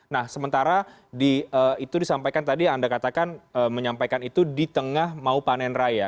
nah sementara itu disampaikan tadi yang anda katakan menyampaikan itu di tengah mau panen raya